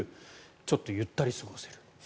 ちょっとゆったり過ごせる。